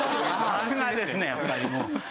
さすがですねやっぱりもう。